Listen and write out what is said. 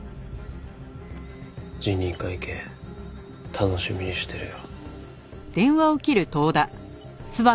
辞任会見楽しみにしてるよ。